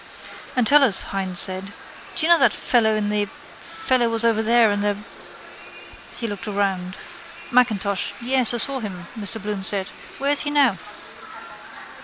—And tell us, Hynes said, do you know that fellow in the, fellow was over there in the... He looked around. —Macintosh. Yes, I saw him, Mr Bloom said. Where is he now?